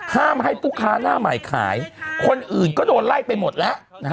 ห้ามให้ผู้ค้าหน้าใหม่ขายคนอื่นก็โดนไล่ไปหมดแล้ว